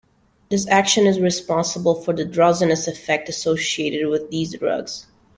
This action is responsible for the drowsiness effect associated with these drugs.